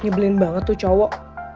nyebelin banget tuh cowok